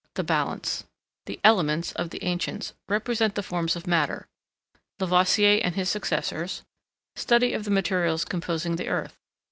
THE BALANCE. The "Elements" of the Ancients, represent the forms of matter. Lavoisier and his successors. Study of the materials composing the Earth.